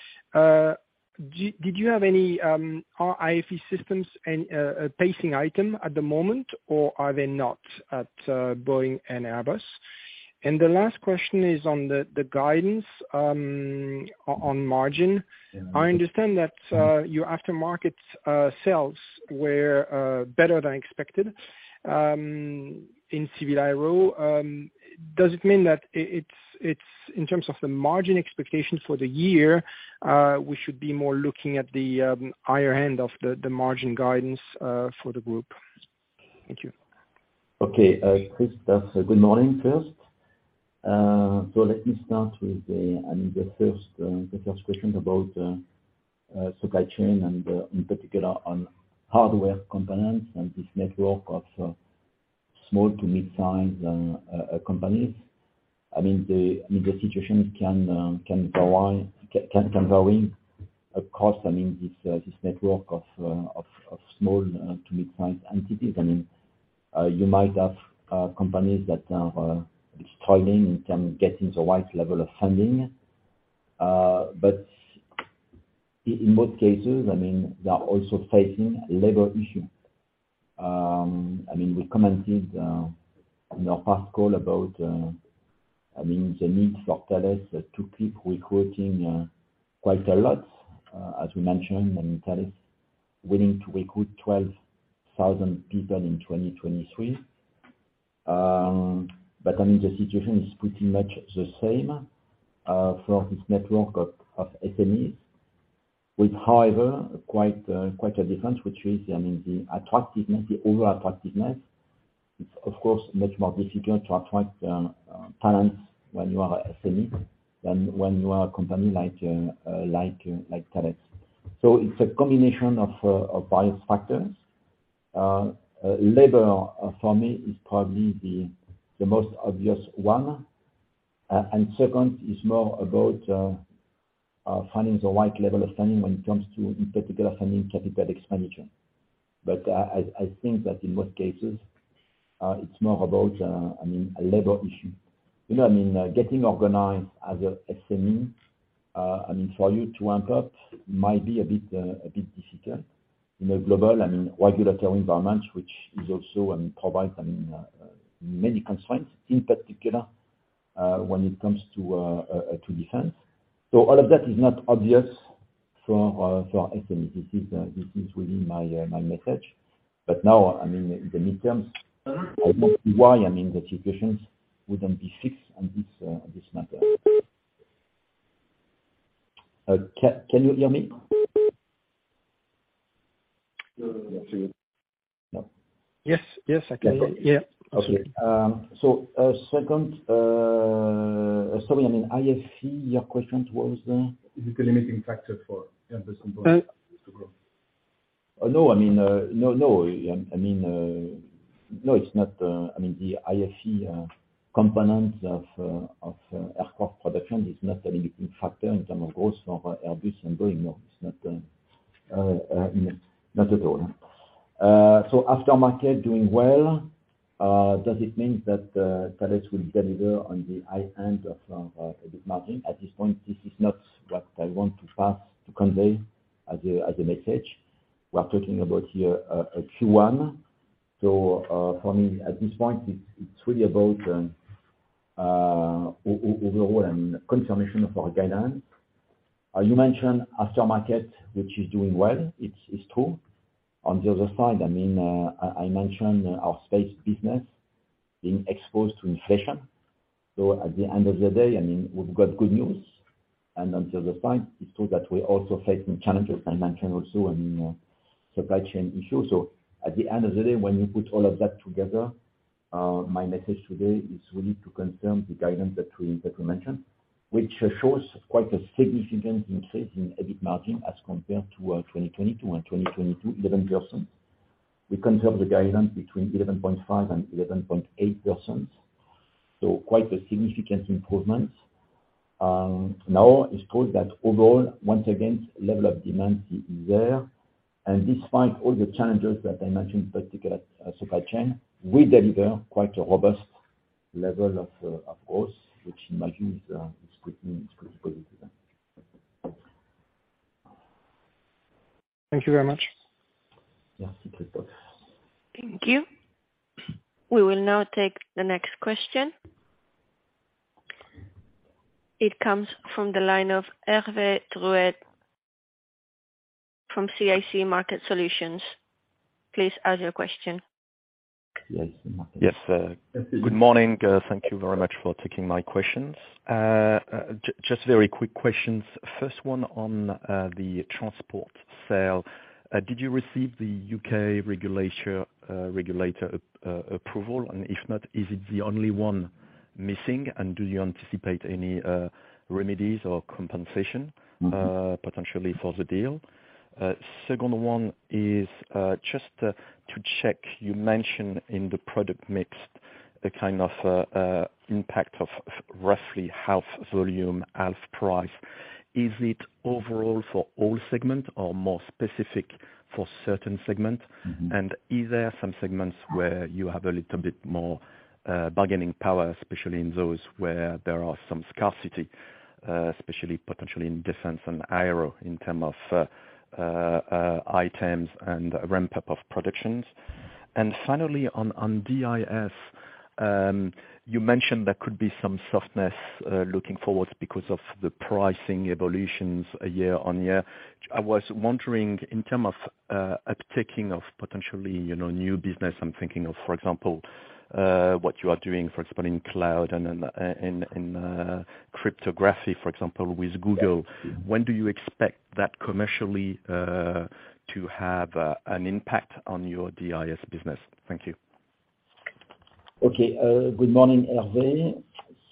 Did you have any IFE systems and a pacing item at the moment, or are they not at Boeing and Airbus? The last question is on the guidance on margin. I understand that your aftermarket sales were better than expected in Civil Aero. Does it mean that it's in terms of the margin expectations for the year, we should be more looking at the higher end of the margin guidance for the group? Thank you. Okay. Christophe, good morning first. Let me start with the, I mean, the first question about supply chain and in particular on hardware components and this network of small to mid-size companies. I mean, the situation can go on, can vary across, I mean this network of small to mid-size entities. I mean, you might have companies that are struggling and can get into wide level of funding. In most cases, I mean, they are also facing labor issue. I mean, we commented in our past call about, I mean, the need for Thales to keep recruiting quite a lot, as we mentioned, I mean, Thales willing to recruit 12,000 people in 2023. I mean, the situation is pretty much the same for this network of SMEs with, however, quite a difference, which is, I mean, the attractiveness, the over attractiveness. It's of course much more difficult to attract talents when you are a semi than when you are a company like Thales. It's a combination of various factors. Labor for me is probably the most obvious one. Second is more about finding the right level of funding when it comes to, in particular, funding capital expenditure. I think that in most cases, it's more about, I mean, a labor issue. You know, I mean, getting organized as a SME, I mean, for you to ramp up might be a bit, a bit difficult in a global, I mean, regulatory environment, which is also, I mean, provides, I mean, many constraints in particular, when it comes to Defense. All of that is not obvious for SMEs. This is, this is really my message. Now, I mean, in the midterm, I don't see why, I mean, the situations wouldn't be fixed on this matter. Can you hear me? Yes. Yes, I can hear you. Yeah. Okay. Sorry, I mean, IFE, your question was. Is the limiting factor for Airbus and Boeing to grow. No, I mean, no. I mean, no, it's not, I mean the IFE component of aircraft production is not a limiting factor in terms of growth for Airbus and Boeing. No, it's not not at all. Aftermarket doing well, does it mean that Thales will deliver on the high end of EBIT margin? At this point, this is not what I want to convey as a message. We are talking about here a Q1. For me, at this point, it's really about overall and confirmation of our guidance. You mentioned aftermarket, which is doing well. It's true. On the other side, I mean, I mentioned our space business. Being exposed to inflation. At the end of the day, I mean, we've got good news, and until the time, it's true that we're also facing challenges. I mentioned also, I mean, supply chain issues. At the end of the day, when you put all of that together, my message today is really to confirm the guidance that we mentioned, which shows quite a significant increase in EBIT margin as compared to 2020-2022 11%. We confirm the guidance between 11.5% and 11.8%. Quite a significant improvement. Now it's true that overall, once again, level of demand is there. Despite all the challenges that I mentioned, in particular supply chain, we deliver quite a robust level of growth, which I imagine is good news for you. Thank you very much. Yeah. Thank you. We will now take the next question. It comes from the line of Hervé Drouet from CIC Market Solutions. Please ask your question. Yes. Yes, good morning. Thank you very much for taking my questions. Just very quick questions. First one on the transport sale. Did you receive the U.K. regulator approval? If not, is it the only one missing? Do you anticipate any remedies or compensation? Mm-hmm. Potentially for the deal? Second one is, just to check, you mentioned in the product mix a kind of impact of roughly half volume, half price. Is it overall for all segment or more specific for certain segments? Mm-hmm. Is there some segments where you have a little bit more bargaining power, especially in those where there are some scarcity, especially potentially in Defense and Aero in term of items and ramp up of productions? Finally, on DIS, you mentioned there could be some softness, looking forward because of the pricing evolutions year-on-year. I was wondering in term of uptaking of potentially, you know, new business, I'm thinking of, for example, what you are doing, for example, in cloud and in cryptography, for example, with Google. When do you expect that commercially to have an impact on your DIS business? Thank you. Okay. Good morning, Hervé.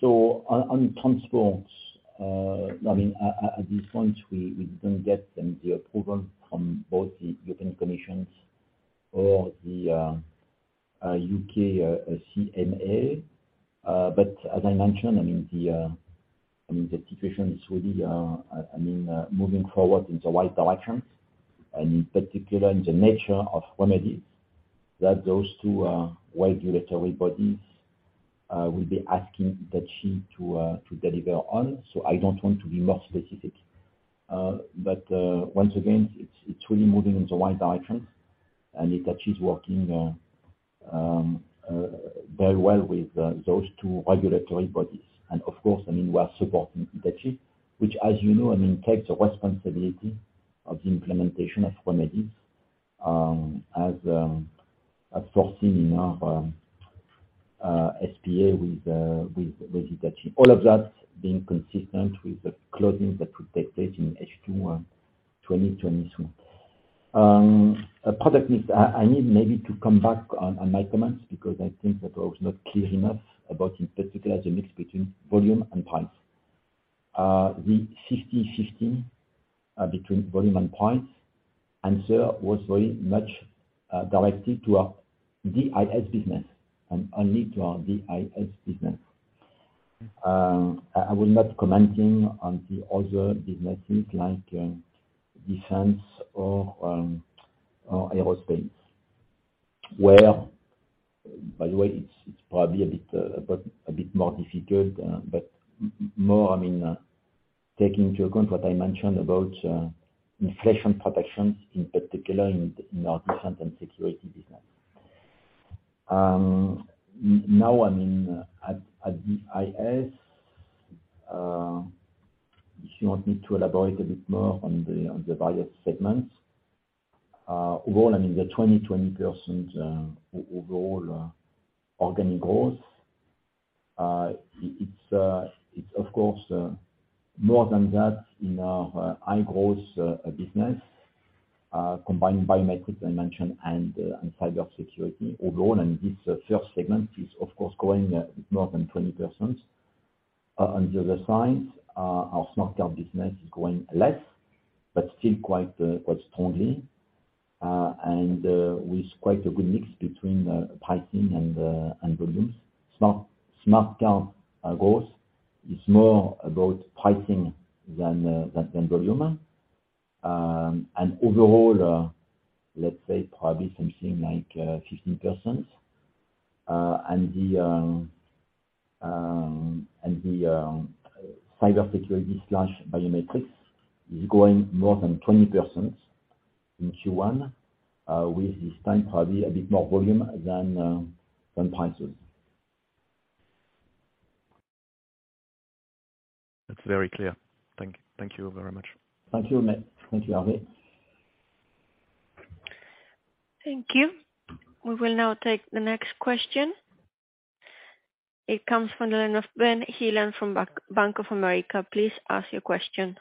On transports, I mean, at this point, we don't get the approval from both the European Commission or the U.K. CMA. As I mentioned, I mean, the, I mean, the situation is really, I mean, moving forward in the right direction, and in particular in the nature of remedies that those two wide regulatory bodies will be asking Hitachi to deliver on. I don't want to be more specific. Once again, it's really moving in the right direction. Hitachi is working very well with those two regulatory bodies. Of course, I mean, we are supporting Hitachi, which, as you know, I mean, takes responsibility of the implementation of remedies, as foreseen in our SPA with Hitachi. All of that being consistent with the closing that would take place in H2 2022. Product mix, I need maybe to come back on my comments because I think that I was not clear enough about in particular the mix between volume and price. The 60-15 between volume and price answer was very much directed to our DIS business and only to our DIS business. I was not commenting on the other businesses like Defense or Aerospace, where, by the way, it's probably a bit more difficult, but more, I mean, taking into account what I mentioned about inflation protections in particular in our Defense & Security business. Now, I mean, at DIS, if you want me to elaborate a bit more on the various segments, overall, I mean, the 20% overall organic growth, it's of course more than that in our high growth business, combined biometrics I mentioned and cybersecurity overall. I mean, this first segment is of course growing more than 20%. On the other side, our smart card business is growing less, but still quite strongly. With quite a good mix between pricing and volumes. Smart card growth is more about pricing than volume. Overall, let's say probably something like 15%. The cyber security/biometrics is growing more than 20% in Q1, with this time probably a bit more volume than prices. That's very clear. Thank you very much. Thank you. Thank you, Hervé. Thank you. We will now take the next question. It comes from the line of Benjamin Heelan from Bank of America. Please ask your question.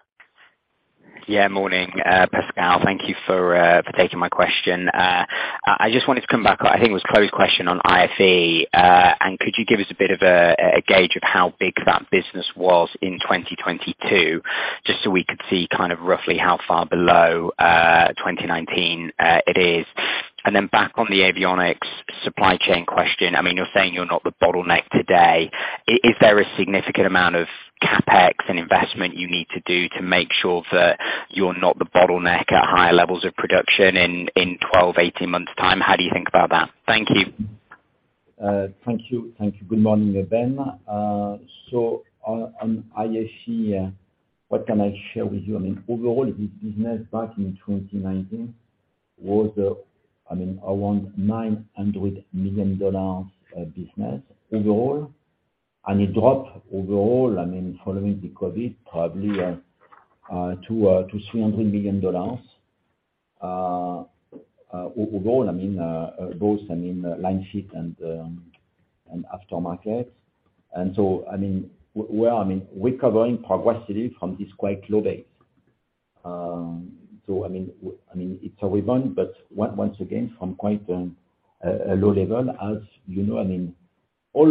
Morning, Pascal. Thank you for taking my question. I just wanted to come back, I think it was Chloé's question on IFE. Could you give us a bit of a gauge of how big that business was in 2022, just so we could see kind of roughly how far below 2019 it is? Then back on the avionics supply chain question. I mean, you're saying you're not the bottleneck today. Is there a significant amount of CapEx and investment you need to do to make sure that you're not the bottleneck at higher levels of production in 12, 18 months' time? How do you think about that? Thank you. Thank you. Thank you. Good morning, Ben Heelan. On IFC, what can I share with you? I mean, overall, this business back in 2019 was, I mean, around $900 million of business overall. It dropped overall, I mean, following the COVID-19, probably, $200 million-$300 million overall. I mean, both, I mean, line fit and aftermarket. I mean, we're, I mean, recovering progressively from this quite low base. I mean, it's a rebound, but once again, from quite a low level. As you know, I mean, all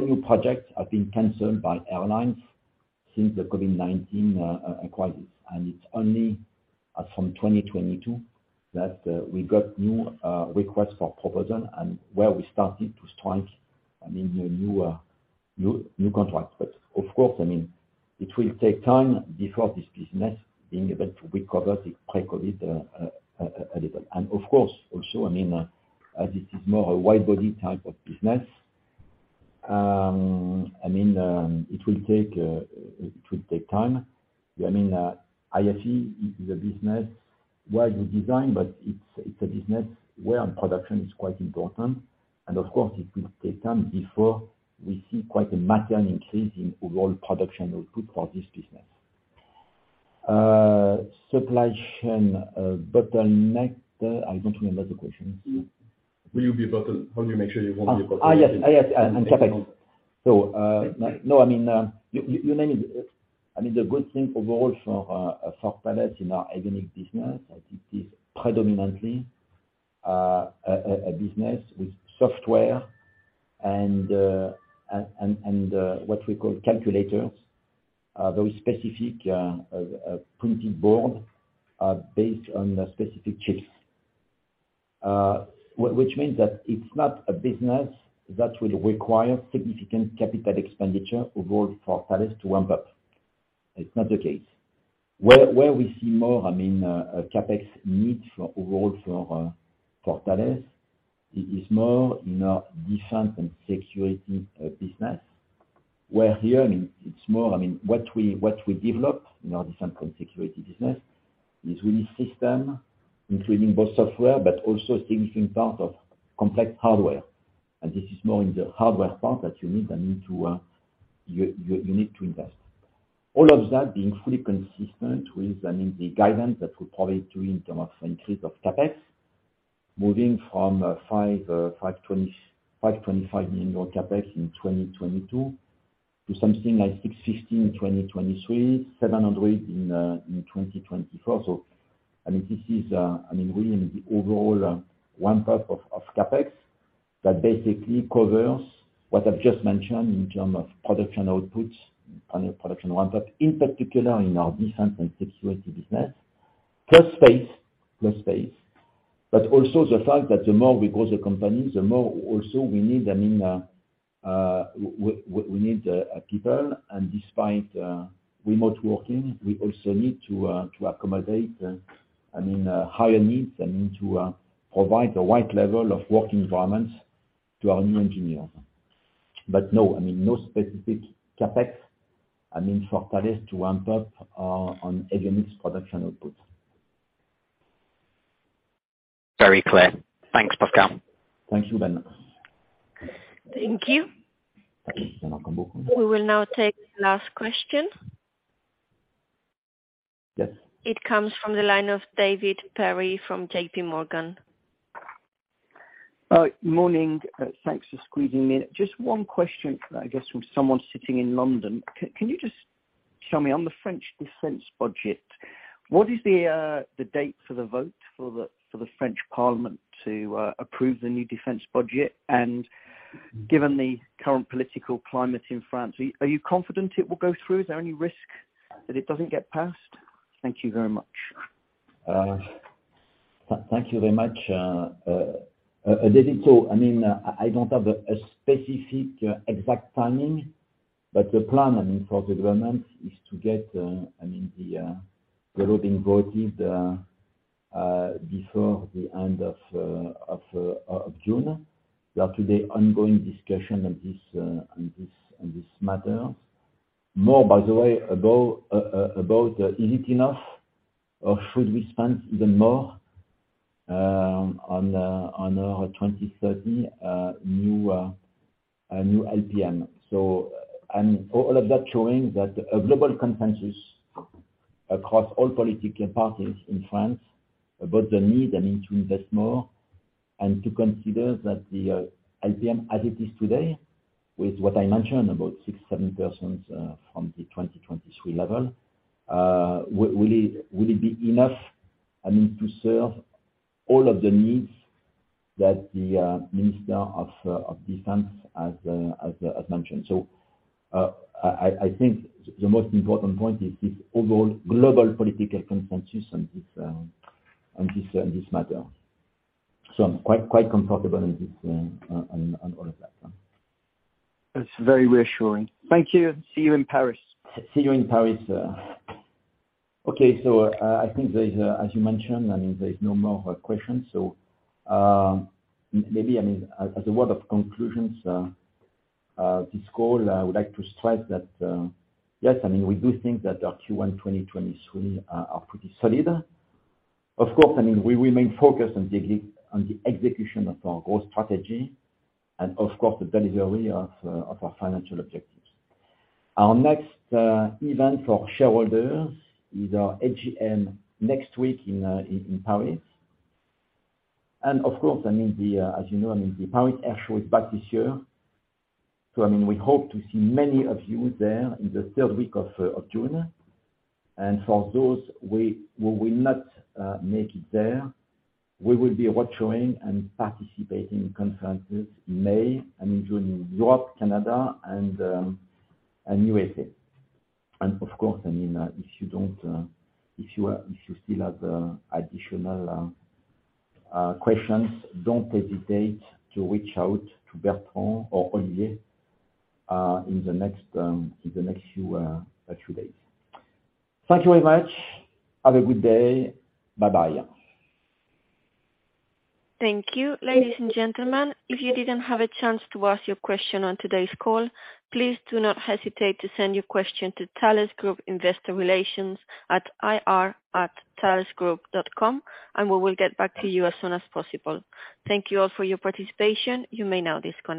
new projects have been canceled by airlines since the COVID-19 crisis. It's only from 2022 that we got new requests for proposal and where we started to strike, I mean, the new contract. Of course, I mean, it will take time before this business being able to recover the pre-COVID level. Of course, also, I mean, as it is more a wide body type of business, I mean, it will take, it will take time. I mean, IFC is a business where you design, but it's a business where production is quite important. Of course, it will take time before we see quite a massive increase in overall production output for this business. Supply chain bottleneck. I don't remember the question. How do you make sure you won't be a bottleneck? Yes. Yes. CapEx. No, I mean, you, you named it. I mean, the good thing overall for Thales in our avionics business, it is predominantly a business with software and what we call calculators. Those specific PCB based on the specific chips. Which means that it's not a business that would require significant capital expenditure overall for Thales to ramp up. It's not the case. Where we see more, I mean, CapEx need for overall for Thales is more in our Defense & Security business, where here, I mean, it's more. I mean, what we develop in our Defense & Security business is really system, including both software, but also a significant part of complex hardware. This is more in the hardware part that you need to invest. All of that being fully consistent with, I mean, the guidance that we provided to you in terms of increase of CapEx, moving from $520 million, $525 million CapEx in 2022 to something like $615 million in 2023, $700 million in 2024. I mean, this is, I mean, really the overall ramp up of CapEx that basically covers what I've just mentioned in term of production outputs on a production ramp up, in particular in our Defense & Security business. First phase. Also the fact that the more we grow the company, the more also we need, I mean, we need people. Despite remote working, we also need to accommodate, I mean, higher needs, I mean, to provide the right level of work environment to our new engineers. No, I mean, no specific CapEx, I mean, for Thales to ramp up on avionics production output. Very clear. Thanks, Pascal. Thank you, Ben. Thank you. You're welcome. We will now take the last question. Yes. It comes from the line of David Perry from JPMorgan. Morning. Thanks for squeezing me in. Just one question, I guess, from someone sitting in London. Can you just show me on the French defense budget, what is the date for the French parliament to approve the new defense budget? Given the current political climate in France, are you confident it will go through? Is there any risk that it doesn't get passed? Thank you very much. Thank you very much, David. I mean, I don't have a specific exact timing, but the plan, I mean, for the government is to get, I mean, the voting voted before the end of June. There are today ongoing discussion on this matter. More, by the way, about is it enough or should we spend even more? On the, on our new IPM. All of that showing that a global consensus across all political parties in France about the need to invest more and to consider that the IPM as it is today with what I mentioned, about 6%-7%, from the 2023 level, will it be enough, I mean, to serve all of the needs that the Minister of Defence has mentioned. I think the most important point is this overall global political consensus on this matter. I'm quite comfortable in this on all of that. That's very reassuring. Thank you. See you in Paris. See you in Paris, sir. Okay. I think there's, as you mentioned, there's no more questions. Maybe, as a word of conclusions, this call, I would like to stress that, yes, we do think that our Q1 2023 are pretty solid. Of course, we remain focused on the execution of our growth strategy, and of course, the delivery of our financial objectives. Our next event for shareholders is our AGM next week in Paris. Of course, as you know, the Paris Air Show is back this year. We hope to see many of you there in the third week of June. For those who will not make it there, we will be virtualing and participating in conferences in May, I mean, during Europe, Canada and USA. Of course, I mean, if you don't, if you are, if you still have additional questions, don't hesitate to reach out to Bertrand Delcaire in the next few days. Thank you very much. Have a good day. Bye-bye. Thank you. Ladies and gentlemen, if you didn't have a chance to ask your question on today's call, please do not hesitate to send your question to Thales Group Investor Relations at ir@thalesgroup.com. We will get back to you as soon as possible. Thank you all for your participation. You may now disconnect.